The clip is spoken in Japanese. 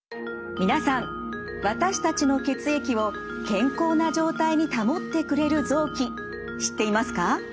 皆さん私たちの血液を健康な状態に保ってくれる臓器知っていますか？